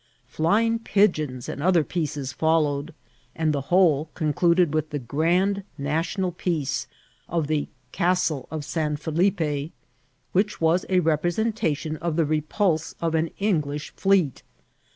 Flying pigeons and other pieces followed ; and the whole concluded with the grand national piece of the Castle of San Felippe, which was a representation of the repulse of an English fleet.